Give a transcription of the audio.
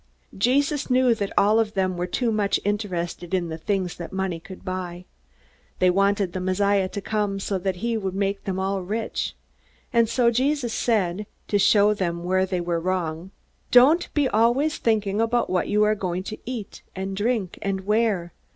Jesus knew that all of them were too much interested in the things that money could buy. They wanted the Messiah to come so that he would make them all rich. And so Jesus said, to show them where they were wrong: "Don't be always thinking about what you are going to eat and drink and wear.